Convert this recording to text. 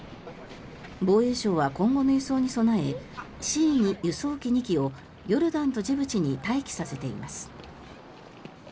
防衛省は今後の輸送に備えＣ２輸送機２機をヨルダンとジブチに待機させています。